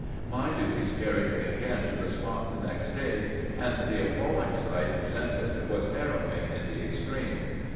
My duties carried me again to the spot the next day, and the appalling sight presented was harrowing in the extreme.